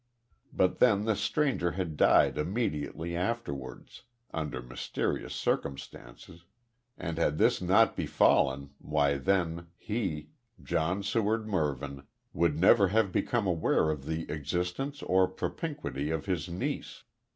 But then the stranger had died immediately afterwards, under mysterious circumstances, and had this not befallen why then he, John Seward Mervyn would never have become aware of the existence or propinquity of his niece.